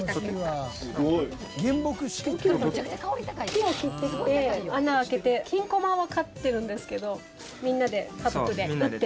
木を切ってきて穴開けて菌駒は買ってるんですけどみんなで家族で打って。